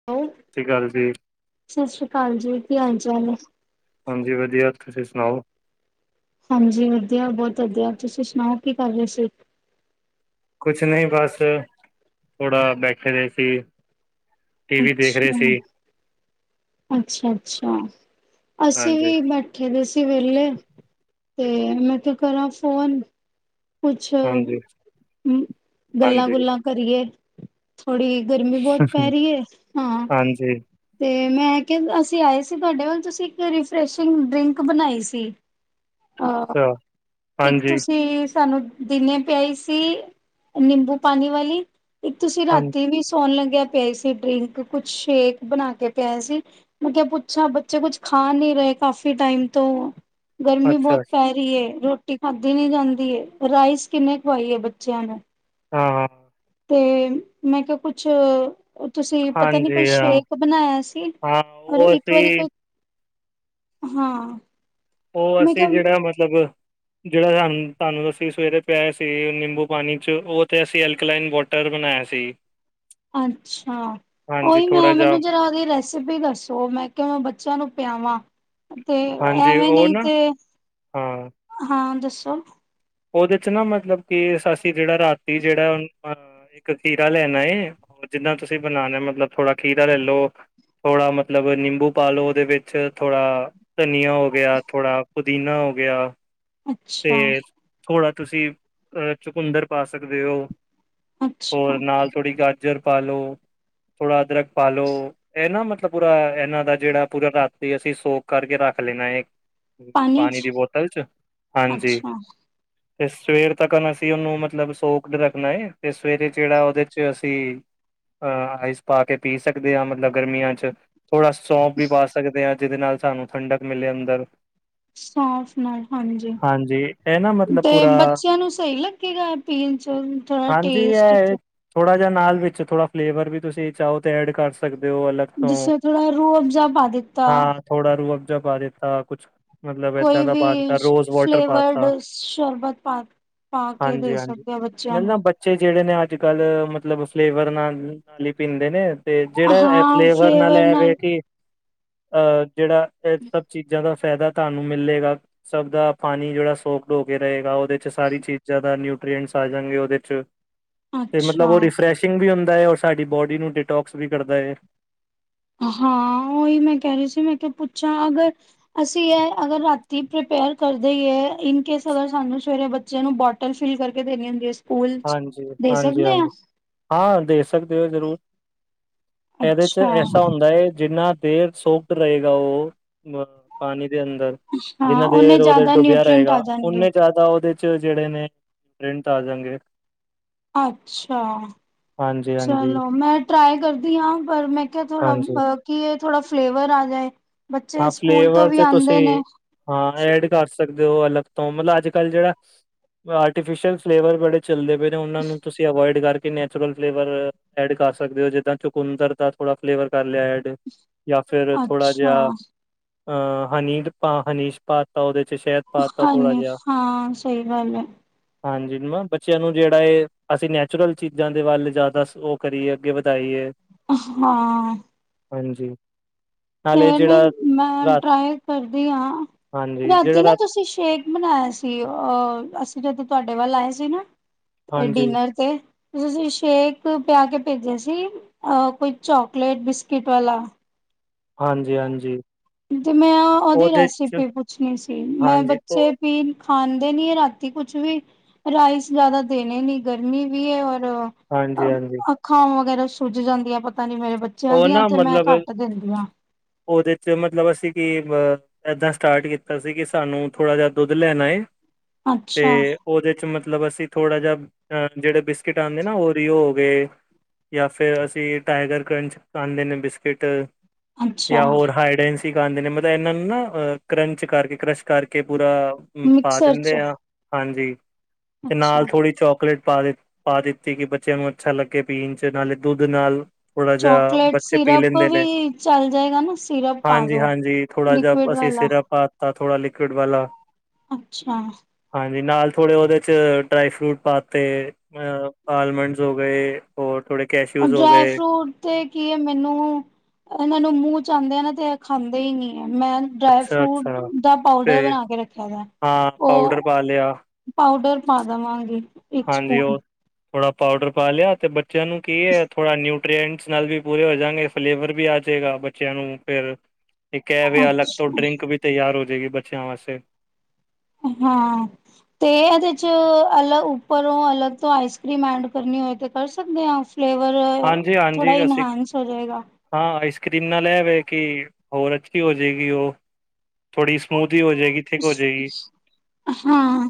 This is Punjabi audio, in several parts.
[inaudible] ਸਤ ਸੀ਼੍ ਅਕਾਲ ਜੀ। ਸਤਿ ਸ੍ਰੀ ਅਕਾਲ ਜੀ। ਕੀ ਹਾਲ ਚਾਲ ਏ? ਹਾਂਜੀ ਵਧੀਆ, ਤੁਸੀਂ ਸੁਣਾਓ? ਹਾਂਜੀ ਵਧੀਆ, ਬਹੁਤ ਵਧੀਆ। ਤੁਸੀ ਸੁਣਾਓ, ਕੀ ਕਰ ਰਹੇ ਸੀ? ਕੁਛ ਨਈ ਬਸ, ਥੋੜਾ ਬੈਠੇ ਦੇ ਸੀ। ਟੀਵੀ ਦੇਖ ਰੇ ਅੱਛਾ ਸੀ। ਅੱਛਾ ਅੱਛਾ। ਅਸੀਂ ਹਾਂਜੀ, ਵੀ ਬੈਠ ਠੇ ਦੇ ਸੀ ਵੇਹਲੇ ਤੇ ਮੈਂ ਕਿਆ, ਕਰਾਂ ਫੋਨ ਕੁਛ ਹਾਂਜੀ, ਹਾਂਜੀ, ਗੱਲਾਂ-ਗੁੱਲਾਂ ਕਰੀਏ ਥੋੜੀ ਗਰਮੀ ਬਹੁਤ ਪੈ ਰਈ ਏ। ਹਾਂ। ਹਾਂਜੀ, ਤੇ ਮੈਂ ਕਿਆ, ਅਸੀ ਆਏ ਸੀ ਤੁਹਾਡੇ ਵੱਲ ਤੁਸੀਂ ਇੱਕ ਰੀਫਰੈਸ਼ਿੰਗ ਡਰਿੰਕ ਬਣਾਈ ਸੀ। ਅਹ, ਅੱਛਾ, ਇੱਕ ਹਾਂਜੀ, ਤੁਸੀ ਸਾਨੂੰ ਦਿਨੇ ਪਿਆਈ ਸੀ, ਨਿੰਬੂ ਪਾਣੀ ਵਾਲੀ ਇੱਕ ਤੁਸੀਂ ਹਾਂਜੀ, ਰਾਤੀ ਵੀ ਸੌਣ ਲੱਗਿਆ ਪਿਆਈ ਸੀ ਡਰਿੰਕ, ਕੁਛ ਸ਼ੇਕ ਬਣਾ ਕੇ ਪਿਆਯਾ ਸੀ। ਮੈਂ ਕਿਆ ਪੁੱਛਾ, ਬੱਚੇ ਕੁੱਛ ਖਾ ਨਈ ਰੇ ਕਾਫੀ ਟਾਈਮ ਤੋਂ ਗਰਮੀ ਅੱਛਾ, ਬਹੁਤ ਪੈ ਅੱਛਾ ਰਹੀ ਏ। ਰੋਟੀ ਖਾਧੀ ਨੀ ਜਾਂਦੀ। ਰਾਈਸ ਕਿੰਨੇ ਖਵਾਈਏ ਬੱਚਿਆਂ ਨੂੰ ਹਾਂ ਹਾਂ ਤੇ ਮੈਂ ਕਿਹਾ ਕੁਛ ਓ ਤੁਸੀਂ ਪਤਾ ਨੀ ਕੋਈ ਹਾਂਜੀ ਹਾਂ। ਸ਼ੇਕ ਬਣਾਇਆ ਸੀ ਹਾਂ ਔਰ ਉਹ ਇੱਕ ਅਸੀਂ, ਵਾਰੀ ਕੋਈ ਹਾਂ। ਉਹ ਮੈਂ ਅਸੀ ਕਿਹਾ ਜੇੜਾ ਮਤਲਬ ਜਿਹੜਾ ਸਾਨੂੰ ਤੁਹਾਨੂੰ ਅਸੀਂ ਸਵੇਰੇ ਪਿਆਯਾ ਸੀ ਨਿੰਬੂ ਪਾਣੀ 'ਚ, ਉਹ ਤੇ ਅਸੀ ਐਲਕਲਾਈਨ ਵਾਟਰ ਟਰ ਬਣਾਇਆ ਸੀ। ਅੱਛਾ ਹਾਂਜੀ ਉਹੀ ਥੋੜਾ ਮੈਂ ਜਿਹਾ, ਮੈਨੂੰ ਜਰਾ ਉਹਦੀ ਰੈਸ ਰੈਸਪੀ ਦੱਸੋ ਮੈਂ ਕਿਹਾ, ਮੈਂ ਬੱਚਿਆਂ ਨੂੰ ਪਿਆਵਾਂ। ਤੇ ਹਾਂਜੀ ਐਵੇਂ ਉਹ ਨਹੀ ਨਾ ਤੇ, ਹਾਂ ਹਾਂ, ਦੱਸੋ। ਉਹਦੇ 'ਚ ਨਾ ਮਤਲਬ ਕਿ ਅਸੀਂ ਜਿਹੜਾ ਰਾਤੀ ਜਿਹੜਾ ਅਹ ਪਾ ਇੱਕ ਖੀਰਾ ਲੈਣਾ ਏ, ਓ ਜਿੱਨਾ ਤੁਸੀਂ ਬਣਾਨਾ ਏ ਮਤਲਬ ਥੋੜਾ ਖੀਰਾ ਲੈਲੋ ਥੋੜਾ ਮਤਲਬ ਨਿੰਬੂ ਪਾਲੋ ਉਹਦੇ ਵਿੱਚ ਥੋੜਾ ਧਨੀਆ ਹੋ ਗਿਆ, ਥੋੜਾ ਪੁਦੀਨਾ ਹੋ ਗਿਆ ਅੱਛਾ ਤੇ ਥੋੜਾ ਤੁਸੀਂ ਅਹ ਚਕੁੰਦਰ ਪਾ ਸਕਦੇ ਓ। ਹੋਰ ਅੱਛਾ ਨਾਲ ਥੋੜੀ ਗਾਜਰ ਪਾ ਲਓ, ਥੋੜਾ ਅਦਰਕ ਪਾ ਲਓ ਏਹ ਨਾ ਮਤਲਬ ਪੂਰਾ ਇਹਨਾਂ ਦਾ ਜਿਹੜਾ ਪੂਰਾ ਰਾਤੀ ਅਸੀਂ ਸੋਕ ਕਰਕੇ ਰੱਖ ਲੈਣਾ ਏ। ਪਾਣੀ ਦੀ ਬੋਤਲ 'ਚ, ਹਾਂਜੀ। [inaudible] ਤੇ ਸਵੇਰ ਤੱਕ ਅਸੀਂ ਉਹਨੂੰ ਮਤਲਬ ਸੋਕ ਰੱਖਣਾ ਹੈ ਤੇ ਸਵੇਰੇ ਜਿਹੜਾ ਉਹਦੇ 'ਚ ਅਸੀਂ ਅਹ ਆਈਸ ਪਾ ਕੇ ਪੀ ਸਕਦੇ ਹਾਂ ਮਤਲਬ ਗਰਮੀਆਂ 'ਚ ਥੋੜ੍ਹਾ ਸੌਂਫ ਵੀ ਪਾ ਸਕਦੇ ਹਾਂ ਜਿਹਦੇ ਨਾਲ ਸਾਨੂੰ ਠੰਡਕ ਮਿਲੇ ਅੰਦਰ ਸੌਂਫ ਨਾਲ ਹਾਂਜੀ ਹਾਂਜੀ ਇਹ ਨਾ ਮਤਲਬ ਤੇ ਪੂਰਾ ਬੱਚਿਆਂ ਨੂੰ ਸਹੀ ਲੱਗੇਗਾ ਪੀਣ 'ਚ ਥੋੜਾ ਹਾਂਜੀ ਟੇਸਟ 'ਚ ਇਹ ਥੋੜਾ ਜਿਹਾ ਨਾਲ ਵਿੱਚ ਥੋੜਾ ਫਲੇਵਰ ਵੀ ਤੁਸੀਂ ਚਾਹੋ ਐਡ ਕਰ ਸਕਦੇ ਹੋ ਅਲੱਗ ਤੋਂ ਜਿਸੇ ਥੋੜਾ ਰੂਹ ਅਫਜ਼ਾ ਪਾ ਦਿੱਤਾ ਖਾਣ ਥੋੜਾ ਰੂਹਬਜ਼ਾ ਪਾ ਦਿੱਤਾ ਕੁਛ ਮਤਲਬ ਐਦਾਂ ਦਾ ਪਾ ਛ ਰੋਜ਼ ਵਾਟਰ ਪਾ ਦਿੱਤਾ ਫਲੇਵਰਡ ਸ਼ਰਬਤ ਪਾ ਪਾ ਕੇ ਦੇ ਹਾਂਜੀ-ਹਾਂਜੀ, ਸਕਦੇ ਹਾਂ ਬੱਚਿਆਂ ਨਾਲੇ ਨੂੰ ਨਾ ਬੱਚੇ ਜਿਹੜੇ ਨੇ ਅੱਜ ਕੱਲ ਮਤਲਬ ਫਲੇਵਰ ਨਾਲ - ਨਾਲ ਹੀ ਪੀਂਦੇ ਨੇ ਤੇ ਜੇਹੜਾ ਐ ਫਲੇਵਰ ਨਾਲ ਹੈਵੇ ਕਿ ਅਹ ਜਿਹੜਾ ਏਹ ਸਭ ਚੀਜ਼ਾਂ ਦਾ ਫਾਇਦਾ ਤੁਹਾਨੂੰ ਮਿਲੇਗਾ ਸਭ ਦਾ ਪਾਣੀ ਜਿਹੜਾ ਸੋਕਡ ਹੋ ਕੇ ਰਹੇਗਾ ਉਹਦੇ 'ਚ ਸਾਰੀ ਚੀਜ਼ਾਂ ਦਾ ਨਿਊਟਰੀਐਂਟਸ ਆ ਜਾਣਗੇ ਉਹਦੇ 'ਚ ਤੇ ਮਤਲਬ ਅੱਛਾ ਉਹ ਰਿਫੈ੍ਸ਼ਿੰਗ ਵੀ ਹੁੰਦਾ ਔਰ ਸਾਡੀ ਬੋਡੀ ਨੂੰ ਡਿਟੋਕਸ ਵੀ ਕਰਦਾ ਹੈ ਹਾਂ ਉਹੀ ਮੈਂ ਕਹਿ ਰਹੀ ਸੀ ਮੈਂ ਕਿਹਾ ਪੁੱਛਾਂ ਅਗਰ ਅਸੀਂ ਏਹ ਅਗਰ ਰਾਤੀ ਪ੍ਰਪੇਅਰ ਕਰਦੇ ਹੀ ਹੈ ਇਨ ਕੇਸ ਅਗਰ ਸਾਨੂੰ ਸਵੇਰੇ ਬੱਚੇ ਨੂੰ ਬ ਰਿਫਲ ਕਰਕੇ ਦੇਣੀ ਹੁੰਦੀਆ ਸਕੂਲ 'ਚ ਹਾਂਜੀ, ਦੇ ਸਕਦੇ ਹਾਂ ਹਾਂਜੀ-ਹਾਂਜੀ, ਹਾਂ ਦੇਖ ਸਕਦੇ ਹੋ ਜ਼ਰੂਰ ਇਹਦੇ 'ਚ ਅੱਛਾ ਐਸਾ ਹੁੰਦਾ ਹੈ ਜਿੰਨਾ ਫਿਰ ਸੋਕਟ ਰਹੇਗਾ ਉਹ ਅ ਪਾਣੀ ਦੇ ਅੰਦਰ ਹਾਂ ਜਿਹਨਾ ਦੇ ਉਹਨੇ ਰੋਜਰ ਜ਼ਿਆਦਾ ਡੁੱਬਿਆ ਨਿਊਟਰੈਂਟ ਆ ਰਹੇਗਾ ਜਾਣਗੇ ਉਨੇ ਜ਼ਿਆਦਾ ਉਹਦੇ ਵਿੱਚ ਜੇੜੇ ਨੇ ਪ੍ਰਿੰਟ ਆ ਜਾਣਗੇ ਅੱਛਾ ਹਾਂਜੀ ਹਾਂ ਚਲੋ ਮੈਂ ਟਰਾਈ ਕਰਦੀ ਹਾਂ ਪਰ ਮੈਂ ਕਿਹਾ ਥੋੜਾ ਹਾਂਜੀ ਕੀ ਥੋੜਾ ਏ ਫਲੇਵਰ ਆ ਜਾਏ ਬੱਚੇ ਹਾਂ ਸਕੂਲ ਤੋਂ ਫਲੇਵਰ ਵੀ ਚ ਆਂਦੇ ਤੁਸੀਂ ਨੇ। ਹਾਂ, ਐਡ ਕਰ ਸਕਦੇ ਹੋ ਅਲੱਗ ਤੋਂ ਮਤਲਬ ਅੱਜ ਕੱਲ੍ਹ ਜਿਹੜਾ ਆਰਟੀਫ਼ਿਸ਼ਲ ਫਲੇਵਰ ਬੜੇ ਚੱਲਦੇ ਪਏ ਨੇ ਉਹਨਾਂ ਨੂੰ ਤੁਸੀਂ ਅਵੋਇਡ ਕਰ ਨੈਚੁਰਲ ਫਲੇਵਰ ਐਡ ਕਰ ਸਕਦੇ ਹੋ ਜਿੱਦਾਂ ਚੁਕੁੰਦਰ ਦਾ ਥੋੜਾ ਫਲੇਵਰ ਕਰ ਲਿਆ ਐਡ। ਜਾ ਫੇਰ ਥੋੜਾ ਅੱਛਾ ਜਿਹਾ ਅ ਹਨੀਡ ਪਾ ਹਨੀਸ਼ ਪਾ ਤਾ ਉਹਦੇ ਚ ਸ਼ਹਿਦ ਪਾਤਾ ਥੋੜਾ ਹਨੀ, ਜਿਹਾ ਹਾਂ ਸਹੀ ਗੱਲ ਏ। ਹਾਂਜੀ ਨੂੰ ਐ ਬ ਬੱਚਿਆਂ ਨੂੰ ਜਿਹੜਾ ਐ ਅਸੀਂ ਨੈਚੁਰਲ ਚੀਜ਼ਾਂ ਦੇ ਵੱਲ ਜ਼ਿਆਦਾ ਉਹ ਕਰੀਏ ਅੱਗੇ ਵਧਾਈਏ। ਹਾਂ। ਹਾਂਜੀ। ਨਾਲੇ ਫੇਰ ਨਹੀਂ ਜਿਹੜਾ ਮੈਂ ਰਾਤ ਟਰਾਈ ਕਰਦੀ ਆਂ, ਹਾਂਜੀ ਰਾਤੀ ਜਿਹੜਾ ਨਾ ਰਾਤ ਤੁਸੀਂ ਸ਼ੇਕ ਬਨਾਇਆ ਸੀ ਅਹ ਅਸੀਂ ਜਦੋਂ ਤੁਹਾਡੇ ਵੱਲ ਆਏ ਸੀ ਨਾ ਹਾਂਜੀ ਡਿਨਰ ਤੇ ਤੁਸੀਂ ਸ਼ੇਕ ਪਿਆ ਕੇ ਭੇਜਿਆ ਸੀ ਅ ਕੋਈ ਚੋਕਲੇਟ ਬਿਸਕਿਟ ਵਾਲਾ। ਹਾਂਜੀ-ਹਾਂਜੀ। ਤੇ ਮੈਂ ਉਹਦੀ ਰੈਸਿਪੀ ਪੁੱਛਣੀ ਸੀ, ਮੈਂ ਹਾਂਜੀ ਬੱਚੇ ਉਹ ਪੀਨ ਖਾਂਦੇ ਨੀ ਰਾਤੀ ਕੁਛ ਵੀ। ਰਾਈਜ਼ ਜ਼ਿਆਦਾ ਦੇਣੇ ਨੀ ਗਰਮੀ ਵੀ ਏ ਔਰ ਅ ਹਾਂਜੀ ਹਾਂਜੀ ਅੱਖਾ ਵਗੈਰਾ ਸੁੱਜ ਜਾਂਦੀਆਂ ਪਤਾ ਨੀ ਮੇਰੇ ਬੱਚ ਬੱਚਿਆਂ ਉਹ ਦੀਆਂ ਨਾ ਤੇ ਮੈਂ ਮਤਲਬ ਘੱਟ ਦਿੰਦੀ ਹਾਂ। ਉਹਦੇ ਚ ਮਤਲਬ ਅਸੀਂ ਕਿ ਬ ਏਦਾਂ ਸਟਾਰਟ ਕੀਤਾ ਸੀ ਕਿ ਸਾਨੂੰ ਥੋੜਾ ਜਿਹਾ ਦੁੱਧ ਲੈਣਾ ਏ, ਅੱਛਾ ਤੇ ਉਹਦੇ ਚ ਮਤਲਬ ਅਸੀਂ ਥੋੜਾ ਜਿਹਾ ਅ ਜਿਹੜੇ ਬਿਸਕਿਟ ਆਂਦੇ ਨਾ ੳਰੀੳ ਹੋ ਗਏ। ਜਾਂ ਫੇਰ ਅਸੀਂ ਟਾਈਗਰ ਕਰੰਚ ਆਂਦੇ ਨੇ ਬਿਸਿਕਿਟ ਅੱਛਾ ਜਾਂ ਹੋਰ ਹਾਈਡ ਐਨ ਟੀ ਖਾਂਦੇ ਨੇ ਮਤਲਬ ਇਹਨਾਂ ਨੂੰ ਨਾ ਅ ਕਰੰਚ ਕਰਕੇ, ਕਰਸ਼ ਕਰਕੇ ਪੂਰਾ ਪਾ ਮਿਕਸਰ ਚ ਦਿੰਦੇ ਆ। ਹਾਂਜੀ, ਤੇ ਅੱਛਾ ਨਾਲ ਥੋੜ੍ਹੀ ਚੋਕਲੇਟ ਪਾ ਦਿਤ, ਪਾ ਦਿੱਤੀ ਕਿ ਬੱਚਿਆਂ ਨੂੰ ਅੱਛਾ ਲੱਗੇ ਪੀਣ ਚ, ਨਾਲੇ ਦੁੱਧ ਨਾਲ ਥੋੜਾ ਜਾ ਬੱਚੇ ਪੀ ਲੈਂਦੇ ਨੇ। ਹਾਂਜੀ-ਹਾਂਜੀ, ਥੋੜਾ ਜਿਹਾ ਲਿਕੁਿਡ ਅਸੀਂ ਵਾਲਾ ਸਿਰਪ ਪਾਤਾ ਥੋੜਾ ਲਿਕਵਿਡ ਵਾਲਾ ਅੱਛਾ। ਹਾਂਜੀ, ਨਾਲ ਥੋੜ੍ਹੇ ਉਹਦੇ ਚ ਡਰਾਈ ਫਰੂਟ ਪਾਤੇ। ਅ ਆਲਮੰਡਸ ਹੋ ਗਏ ਔਰ ਥੋੜੇ ਔਰ ਕੈਸ਼ਿੂਜ਼ ਹੋ ਡਰਾਈ ਗਏ। ਫਰੂਟ ਤੇ ਕੀ ਐ ਮੈਨੂੰ ਇਹਨਾਂ ਨੂੰ ਮੂੰਹ ਚ ਆਂਦੇ ਏ ਨਾ ਤੇ ਏ ਖਾਂਦੇ ਹੀ ਨੀ ਐ, ਮੈਂ ਡਰਾਈ ਅੱਛਾ ਫਰੂਟ ਅੱਛਾ ਦਾ ਤੇ ਪਾਊਡਰ ਬਣਾ ਕੇ ਰੱਖਿਆ ਹਦਾ ਏ, ਹਾਂ ਪਾਊਡਰ ਉਹ ਪਾ ਲਿਆ ਪਾਊਡਰ ਪਾ ਦਵਾਂਗੀ। ਹਾਂਜੀ, ਉਹ ਥੋੜਾ ਪਾਊਡਰ ਪਾ ਲਿਆ, ਤੇ ਬੱਚਿਆਂ ਨੂੰ ਕਿ ਏਥੋੜਾ ਨਿਊਟਰੀਐਂਟਸ ਨਾਲ ਵੀ ਪੂਰੇ ਹੋ ਜਾਗੇ। ਫਲੇਵਰ ਵੀ ਆ ਜੇਗਾ ਬੱਚਿਆਂ ਨੂੰ ਫੇਰ ਇੱਕ ਏ ਵੇ ਅਲਗ ਤੋਂ ਅੱਛਾ ਡਰਿੰਕ ਵੀ ਤਿਆਰ ਹੋ ਜਾਏਗੀ, ਬੱਚਿਆਂ ਵਾਸਤੇ। ਹਾਂ ਤੇ ਇਹਦੇ ਚ ਅਲਗ ਉੱਪਰੋਂ ਅਲੱਗ ਤੋਂ ਆਈਸ ਕ੍ਰੀਮ ਏਡ ਕਰਨੀ ਹੋਏ ਤੇ ਕਰ ਸਕਦੇ ਹਾਂ ਅਸ? ਫਲੇਵਰ ਹਾਂਜੀ ਥੋੜਾ ਹਾਂਜੀ ਅਸੀਂ ਇਨਹਾਂਸ ਹੋ ਜੇਗਾ। ਹਾਂ ਆਈਸ ਕ੍ਰੀਮ ਨਾਲ ਏ ਵੇ ਕਿ ਹੋਰ ਅੱਛੀ ਹੋ ਜੇਗੀ ਉ। ਥੋੜੀ ਸਮੂਥ ਹੀ ਹੋ ਜਾਏਗੀ। ਹੋ ਜਾਏਗੀ ਹਾਂ,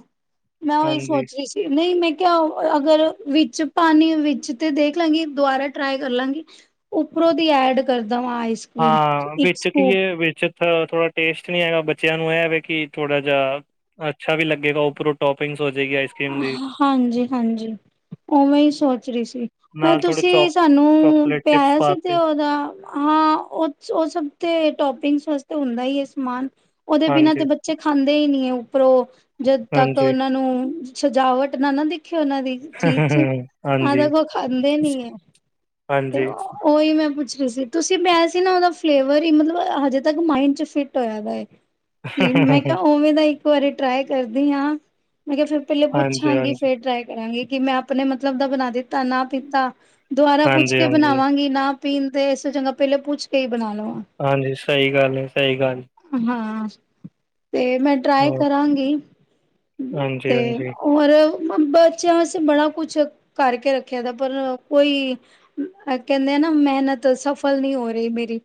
ਮੈਂ ਉਹੀ ਹਾਂਜੀ ਸੋਚ ਰਹੀ ਸੀ। ਨਹੀਂ ਮੈਂ ਕਿਆ, ਅਗਰ ਵਿੱਚ ਪਾਣੀ ਵਿੱਚ ਤੇ ਦੇਖ ਲਾਂਗੀ ਦੁਬਾਰਾ ਟਰਾਈ ਕਰ ਲਾਂਗੀ। ਉੱਪਰੋਂ ਦੀ ਐਡ ਕਰਦਾ ਵਾਂ ਆਈਸ ਕਰ੍ਰੀਮ ਹਾਂ ਇੱਕ ਵਿੱਚ ਕੀ ਸਕੂਪ ਏ ਵਿੱਚ ਸਰ ਥੋੜ੍ਹਾ ਟੇਸਟ ਨਹੀਂ ਹੈਗਾ, ਬੱਚਿਆਂ ਨੂੰ ਐ, ਵਾ, ਕੀ ਥੋੜ੍ਹਾ ਜਿਹਾ ਅੱਛਾ ਵੀ ਲੱਗੇਗਾ, ਉਪਰੋਂ ਟੋਪਿੰਗਸ ਹੋ ਜਾਏਗੀ ਇਸ। ਹਾਂਜੀ- ਹਾਂਜੀ ਉਵੇਂ ਹੀ ਸੋਚ ਰਹੀ ਸੀ। ਪਰ ਨਾਲ ਥੋੜੇ ਤੁਸੀਂ ਚੌਕ ਸਾਨੂੰ ਚੋਕਲੇਟ ਚਿਪਸ ਪਿਆਇਆ ਸੀ ਪਾਤੇ ਤੇ ਉਹਦਾ ਹਾਂ ਉਹ, ਉਹ ਸਭ ਤੇ ਟੋਪਿੰਗ ਵਾਸਤੇ ਹੁੰਦਾ ਹੀ ਹੈ ਸਮਾਨ। ਉਹਦੇ ਬਿਨਾਂ ਤੇ ਹਾਂਜੀ ਬ ਚੇ ਖਾਂਦੇ ਹੀ, ਨੀ, ਹੈ, ਉੱਪਰੋਂ, ਜਦ ਤੱਕ ਹਾਂਜੀ ਉਹਨਾਂ ਨੂੰ ਸਜਾਵਟ ਨਾ ਨਾ ਦਿਖੇ ਉਹਨਾਂ ਦੀ। ਚੀਜ਼ ਹਾਂਜੀ ਆ ਹਾਂਜੀ ਤੱਕ ਉਹ ਖਾਂਦੇ ਨੀ ਏ,, ਤੇ ਹਾਂਜੀ ੳਹ ਓਹੀ ਮੈਂ ਪੁੱਛ ਰਹੀ ਸੀ, ਤੁਸੀਂ ਪਿਆਈਆ ਸੀ ਨਾ ਉਹਦਾ ਫਲੇਵਰ ਈ, ਮਤਲਬ ਹਜੇ ਤਕ ਮਾਇੰਡ ਚ ਫਿਟ ਹੋਇਆ ਦਾ ਏ। ਕੀ ਮੈਂ ਕਿਹਾ, ਉਵੇਂ ਦਾ ਇੱਕ ਵਾਰੀ ਟਰਾਈ ਕਰਦੀ ਆ, ਮੈਂ ਕਿਹਾ ਫਿਰ ਪਹਿਲੇ ਹਾਂਜੀ ਪੁੱਛਾਂਗੀ ਫੇਰ ਟਰਾਈ ਕਰਾਂਗੀ, ਕਿ ਮੈਂ ਆਪਣੇ ਮਤਲਬ ਦਾ ਬਣਾ ਦਿੱਤਾ ਨਾ ਪੀਤਾ। ਦੁਬਾਰਾ ਪੁੱਛ ਹਾਂਜੀ ਕੇ ਹਾਂਜੀ ਬਣਾਵਾਂਗੀ ਨਾ ਪੀਣ ਤੇ, ਇਸ ਤੋਂ ਚੰਗਾ ਪਹਿਲੇਾਂ ਪੁੱਛ ਕੇ ਹੀ ਬਣਾ ਲਵਾਂ। ਹਾਂਜੀ, ਸਹੀ ਗੱਲ ਏ, ਸਹੀ ਗੱਲ ਹਾਂ, ਤੇ ਮੈਂ ਟਰਾਈ ਹੋਰ ਕਰਾਂਗੀ। ਹਾਂਜੀ ਤੇ ਹਾਂਜੀ ਹੋਰ ਬੱਚੇਆਂ ਵਾਸਤੇ ਬੜਾ ਕੁਛ ਕਰ ਕੇ ਰੱਖਿਆ ਦਾ, ਪਰ ਕੋਈ ਆ ਕਹਿੰਦੇ ਆ ਨਾ, ਮਿਹਨਤ ਸਫਲ ਨਹੀਂ ਹੋ ਰਹੀ ਮੇਰੀ,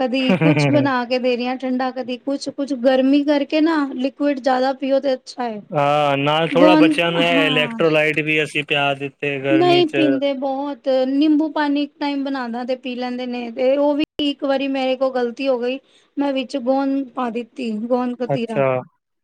ਕਦੀ ਕੁਛ ਬਣਾ ਦੇ ਰਹੀਆਂ ਠੰਡਾ ਕਦੀ ਕੁਛ -ਕੁਛ ਗਰਮੀ ਕਰਕੇ ਨਾ ਲਿਕੁਇਡ ਜ਼ਿਆਦਾ ਪੀਓ ਤੇ ਅੱਛਾ ਹੈ ਹਾਂ ਨਾਲ ਥੋੜ੍ਹਾ ਗੋਂਦ ਬੱਚੇਆਂ ਨੂੰ ਇਹ ਹਾਂ ਇਲੈਕਟ੍ਰੋਲਾਈਟ ਵੀ ਅਸੀਂ ਪਿਆ ਦਿੱ ਨਹੀਂ ਪੀਂਦੇ ਬਹੁਤ ਤੇ ਨਿੰਬੂ ਪਾਣੀ ਇੱਕ ਟਾਈਮ ਬਨਾਣਾ ਤੇ ਪੀ ਲੈਂਦੇ ਨੇ, ਤੇ ਉਹ ਵੀ ਇੱਕ ਵਾਰੀ ਮੇਰੇ ਕੋਲ ਗ਼ਲਤੀ ਹੋ ਗਈ ਮੈਂ ਵਿੱਚ ਗੋਂਦ ਪਾ ਦਿੱਤੀ ਗੋਂਦ। ਕਤੀਰਾ, ਅੱਛਾ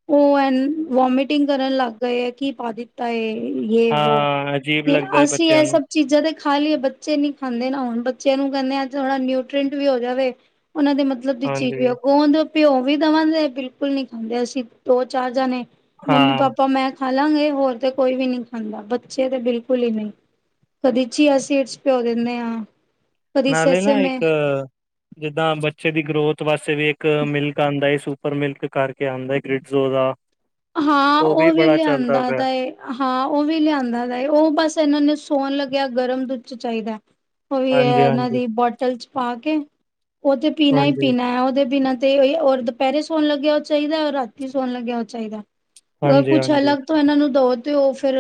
ਉਹ ਐ ਵੋਮਿਟਿੰਗ ਕਰਨ ਲੱਗ ਗਏ, ਏ ਕੀ ਪਾ ਦਿੱ ਹਾਏ, ਯੇ, ਵੋ ਹਾਂ ਅਜੀਬ ਲੱਗਦਾ ਹੈ ਅਸੀਂ ਬੱਚਿਆਂ ਇਹ ਨੂੰ ਸਭ ਚੀਜ਼ਾਂ ਤੇ ਖਾ ਲਈਏ, ਬੱਚੇ ਨੀ ਖਾਂਦੇ ਨਾ ਹੁਣ ਬੱਚਿਆਂ ਨੂੰ ਕਹਿੰਦੇ ਆ ਥੋੜ੍ਹਾ ਨਿਊਟਰਂਟ ਵੀ ਹੋ ਜਾਵੇ ਉਨਾ ਦੇ ਮਤਲਬ ਮਤਲਬ ਦੀ ਚੀਜ਼ ਹਾਂਜੀ ਵੀ ਆ, ਗੋਦ ਭਿਓ ਵੀ ਦਵਾਂਗੇ, ਬਿਲਕੁਲ ਨਹੀਂ ਖਾਂਦੇ ਅਸੀਂ ਦੋ ਚਾਰ ਜਾਣੇ, ਮੰਮੀ ਹਾਂ ਪਾਪਾ ਮੈਂ ਖਾਾਲਾਂਗੇ, ਹੋਰ ਤੇ ਕੋਈ ਵੀ ਨਹੀਂ ਖਾਂਦਾ ਬੱਚੇ ਤੇ ਬਿਲਕੁਲ ਬਿਲਕੁਲ ਈ ਨਈ, ਕਦੀ ਚੀਆ ਸੀਡਸ ਭਿਓ ਦਿੰਦੇ ਆ। ਕਦੀ ਨਾਲੇ ਨਾ ਇੱਕ, ਸੇਸੇਮੇ ਜਿੱਦਾਂ ਬੱਚੇ ਦੀ ਗਰੋਥ ਵਾਸਤੇ ਵੀ ਇੱਕ ਮਿਲਕ ਆਂਦਾ ਈ ਸੂ ਉੱਪਰ ਮਿਲਕ ਕਰਕੇ ਆਉਂਦਾ ਗ੍ਰਿਡਜ਼ੋ ਦਾ। ਹਾਂ, ਉਹ ਵੀ ਬੜਾ ਚੱਲਦਾ ਲਿਆਂਦਾ ਪਿਆ ਦਾ ਏ। ਹਾਂ, ਉਹ ਵੀ ਲਿਆਂਦਾ ਦਾ ਏ, ਉਹ ਬਸ ਇਹਨਾਂ ਨੂੰ ਸੋਣ ਲੱਗਿਆ ਗਰਮ ਦੁੱਧ ਚ ਚਾਹੀਦਾ। ਉਹ ਵੀ ਹਾਂਜੀ ਹੈ, ਇਹਨਾਂ ਹਾਂਜੀ ਦੀ ਬੋਟਲ ਚ ਪਾ ਕੇ ਉਹ ਤੇ ਪੀਣਾ ਹੀ ਹਾਂਜੀ ਪੀਣਾ ਹੈ ਉਹਦੇ ਬਿਨਾਂ ਤੇ ਓਈ ਔਰ ਦੁਪਹਿਰੇ ਸੋਣ ਲੱਗਿਆ ਉਹ ਚਾਹੀਦਾ, ਔ ਰਾਤੀ ਸੋਣ ਲੱਗਿਆ ਉਹ ਚਾਹੀਦਾ ਐ। ਅ ਹਾਂਜੀ ਕੁਛ ਹਾਂਜੀ ਅਲੱਗ ਤੋਂ ਇਹਨਾਂ ਨੂੰ ਦਵੋ ਤੇ ਓਹ ਫਿਰ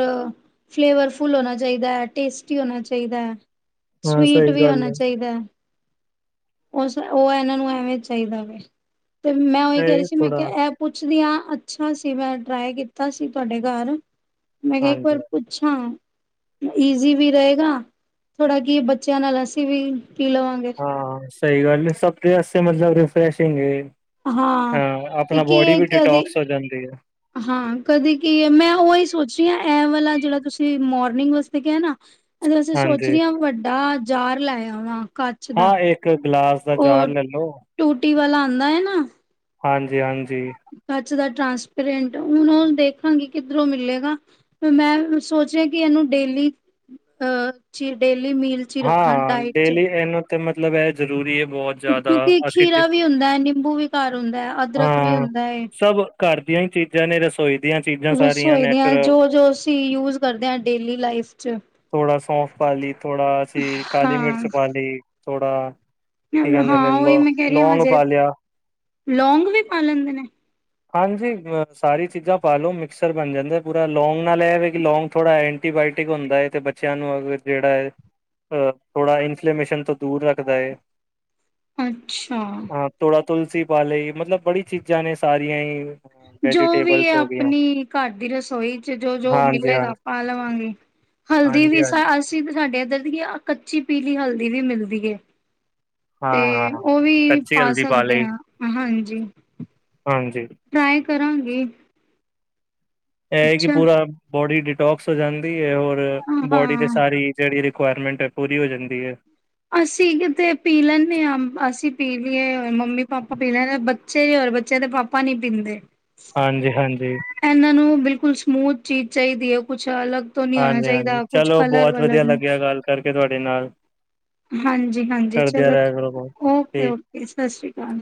ਫਲੇਵਰ ਫੁਲ ਹੋਣਾ ਚਾਹੀਦਾ, ਟੇਸਟੀ ਹੋਣਾ ਚਾਹੀਦਾ, ਹਾਂ ਸਵੀਟ ਸਹੀ ਵੀ ਗੱਲ ਹੋਣਾ ਹੈ ਚਾਹੀਦਾ। ਉਸ, ਉਹ ਇਹਨਾਂ ਨੂੰ ਐਵੇਂ ਚਾਹੀਦਾ ਵੇ, ਤੇ ਮੈਂ ਉਹੀ ਕਹਿ ਰਹੀ ਨਹੀਂ ਸੀ ਮੈਂ ਥੋੜਾ ਕਿਹਾ ਐ ਪੁੱਛਦੀ ਆ, ਅੱਛਾ ਸੀ, ਮੈਂ ਟਰਾਈ ਕੀਤਾ ਸੀ ਤੁਹਾਡੇ ਘਰ, ਮੈਂ ਕਿਹਾ ਇੱਕ ਵਾਰ ਹਾਂਜੀ ਪੁੱਛਾ। ਈਜ਼ੀ ਵੀ ਰਹੇਗਾ, ਥੋੜਾ ਕੀ ਬੱਚਿਆਂ ਨਾਲ ਅਸੀਂ ਵੀ ਪੀ ਲਵਾਂਗੇ। ਹਾਂ ਸਹੀ ਗੱਲ ਏ, ਸਭਦੇ ਵਾਸਤੇ ਮਤਲਬ ਰਿਫੈਰਸ਼ਿੰਗ ਏ। ਹਾਂ, ਤੇ ਆਪਣਾ ਕੀ ਬੋਡੀ ਹੈ ਵੀ ਕਦੇ ਡਿਟੋਕਸ ਹੋ ਜਾਂਦੀ ਐ। ਹਾਂ ਕਦੇ ਕੀ ਹੈ, ਮੈਂ ਉਹੀ ਸੋਚ ਰਹੀ ਹਾਂ ਐ ਵਾਲਾ ਜਿਹੜਾ ਤੁਸੀਂ ਮੋਰਨਿੰਗ ਵਾਸਤੇ ਕਿਹਾ ਐ ਨਾ। ਇਹਦੇ ਵਾਸਤੇ ਸੋਚ ਹਾਂਜੀ ਰਹੀ ਹਾਂ ਵੱਡਾ ਜਾਰ ਲੈ ਆਵਾ। ਆ ਇੱਕ ਗਲਾਸ ਦਾ ਜਾਰ ਲੈ ਲੋ। ਟੂਟੀ ਵਾਲਾ ਆਂਦਾ ਏ ਨਾ। ਹਾਂਜੀ-ਹਾਂਜੀ। ਕੱਚ ਦਾ ਟਰਾਂਸਪੇਰੈਂਟ ਹੁਣ ਉਹ ਦੇਖਾਂਗੀ ਕਿੱਧਰੋ ਮਿਲੇਗਾ। ਫੇਰ ਮੈਂ ਸੋਚ ਰਹੀ ਆ ਕਿ ਇਹਨੂੰ ਡੇਲੀ ਅ ਡੇਲੀ ਮੀਲ ਚ ਹੀ ਹਾਂ, ਰੱਖਣ ਹਾਂ ਡਾਇਟ ਚ ਡੇਲੀ ਇਹਨੂੰ ਤੇ ਮਤਲਬ ਇਹ ਜ਼ਰੂਰੀ ਹੈ ਬਹੁਤ। ਜ਼ਿਆਦਾ ਕਿਉਂਕਿ ਅਸੀਂ ਤੇ ਖੀਰਾ ਵੀ ਹੁੰਦਾ ਹੈ, ਨਿੰਬੂ ਵੀ ਘਰ ਹੁੰਦਾ ਹੈ, ਅਦਰਕ ਵੀ ਹਾਂ ਹੁੰਦਾ ਏ ਸਭ ਘਰ ਦੀਆਂ ਹੀ ਚੀਜ਼ਾਂ ਨੇ ਰਸੋਈ ਦੀਆਂ ਚੀਜ਼ਾਂ ਸਾਰੀਆਂ ਰਸੋਈ ਦੀਆਂ ਨੈਚੁਰਲ ਜੋ-ਜੋ ਅਸੀਂ ਯੂਜ ਕਰਦੇ ਹਾਂ ਡੇਲੀ ਲਾਈਫ ਚ। ਥੋੜਾ ਸੌਂਫ ਪਾਲੀ ਲੀ, ਥੋੜਾ ਅਸੀਂ ਕਾਲੀ ਹਾਂ। ਮਿਰਚ ਪਾ ਲੀ ਥੋੜਾ ਕੀ ਕਹਿੰਦੇ ਨੇ ਹਾਂ ਉਹੀ ਲੋ ਮੈਂ ਕਹਿ ਰਹੀ ਆ, ਲੌਂਗ ਹਜੇ ਪਾ ਲਿਆ। ਲੌਂਗ ਵੀ ਪਾ ਲੈਂਦੇ ਨੇ। ਹਾਂਜੀ, ਅ ਸਾਰੀ ਚੀਜ਼ਾਂ ਪਾ ਲਓ ਮਿਕਸਰ ਬਣ ਜਾਂਦਾ ਪੂਰਾ ਲੌਂਗ ਨਾਲ ਐ ਵੇ ਕਿ ਲੌਂਗ ਥੋੜ੍ਹਾ ਐ ਐਂਟੀਬਾਓਟਿਕ ਹੁੰਦਾ ਹੈ ਤੇ ਬੱਚਿਆਂ ਨੂੰ ਅ ਜਿਹੜਾ ਏ ਅ ਥੋੜਾ ਇਨਫਲੇਮੇਸ਼ਨ ਤੋਂ ਦੂਰ ਰੱਖਦਾ ਏ। ਅੱਛਾ। ਥੋੜਾ ਤੁਲਸੀ ਪਾ ਲਈ, ਮਤਲਬ ਬੜੀ ਚੀਜ਼ਾਂ ਨੇ ਸਾਰੀਆਂ ਹੀ। ਜੋ ਵੀ ਹੈ ਵੈਜੀਟੇਬਲਸ ਹੋ ਗਈਆਂ ਆਪਣੀ ਘਰ ਦੀ ਰਸੋਈ ਚ ਜੋ-ਜੋ ਹਾਂਜੀ ਹਾਂ ਮਿਲੇਗਾ ਪਾਂ ਲਵਾਂਗੇ। ਹਲਦੀ ਹਾਂਜੀ ਵੀ ਹਾਂਜੀ ਅਸੀਂ ਤਾਂ ਸਾਡੇ ਇੱਧਰ ਦੀ ਕੱਚੀ ਪੀਲੀ ਹਲਦੀ ਵੀ ਮਿਲਦੀ ਏ। ਤੇ ਹਾਂ ਹਾਂ ਉਹ ਵੀ ਕੱਚੀ ਪਾ ਹਲਦੀ ਸਕਦੇ ਲਈ ਹਾਂ ਹਾਂਜੀ। ਹਾਂਜੀ। ਟਰਾਈ ਕਰਾਂਗੇ। ਐ ਏ ਕਿ ਪੂਰਾ ਬੋਡੀ ਡਿਟੋਕਸ ਹੋ ਜਾਂਦੀ ਹੈ ਔਰ ਬੋਡੀ ਤੇ ਹਾਂ। ਸਾਰੀ ਜਿਹੜੀ ਰਿਕੁਵਾਇਰਮੈਂਟ ਹੈ ਪੂਰੀ ਹੋ ਜਾਂਦੀ ਹੈ। ਅਸੀਂ ਕਿਤੇ ਪੀ ਲੈਨੇ ਆ, ਅਸੀਂ ਪੀ ਲਈਏ, ਮੰਮੀ ਪਾਪਾ ਪੀ ਲੈਂਦੇ ਹਾਂ ਬ ਬੱਚੇ ਔਰ ਬੱਚਿਆਂ ਦੇ ਪਾਪਾ ਨਹੀ ਪੀਂਦੇ। ਹਾਂਜੀ, ਹਾਂਜੀ। ਇਹਨਾਂ ਨੂੰ ਬਿਲਕੁਲ ਸਮੂਥ ਚੀਜ਼ ਚਾਹੀਦੀ ਹੈ ਕੁਛ ਅਲੱਗ ਤੋਂ ਨਹੀਂ ਹੋਣਾ ਹਾਂਜੀ, ਹਾਂਜੀ ਚਾਹੀਦਾ ਕੁਛ ਚਲੋ ਕਲਰ ਬਹੁਤ ਵਲਰ ਵਧੀਆ ਲੱਗਿਆ ਗੱਲ ਕਰਕੇ ਤੁਹਾਡੇ ਨਾਲ। ਹਾਂਜੀ, ਹਾਂਜੀ ਕਰਦਿਆਂ ਚਲੋ ਰਿਹਾ ਕਰੋ ਕੋਲ ਠੀਕ ਓਕੇ-ਓਕੇ ਸਤਿ ਸ਼੍ਰੀ ਅਕਾਲ।